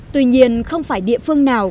tuy nhiên không phải địa phương nào